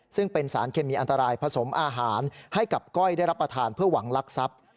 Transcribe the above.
ซึ่งเป็นสารเคมีอันตรายผสมอาหารให้กับก้อยได้รับประทานเพื่อหวังลักทรัพย์